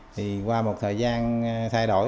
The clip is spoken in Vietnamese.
thì qua một thời gian thay đổi